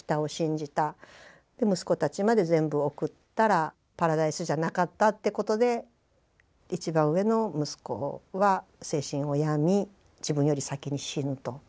息子たちまで全部送ったらパラダイスじゃなかったってことで一番上の息子は精神を病み自分より先に死ぬと。